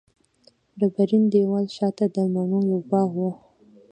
ډبرین دېوال شاته د مڼو یو باغ و.